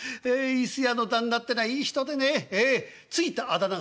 伊勢屋の旦那ってのはいい人でねええ付いたあだ名が恵比寿様。